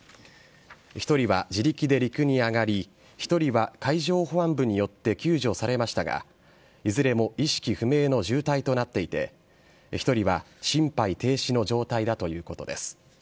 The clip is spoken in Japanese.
１人は自力で陸に上がり１人は海上保安部によって救助されましたがいずれも意識不明の重体となっていて１人は心肺停止の状態だということです。